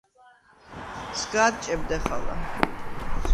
სგა̄დჭებდეხ ალა.